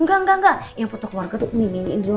enggak enggak yang foto keluarga tuh ini